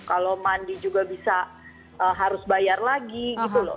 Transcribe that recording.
kalau mandi juga bisa harus bayar lagi gitu loh